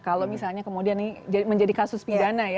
kalau misalnya kemudian ini menjadi kasus pidana ya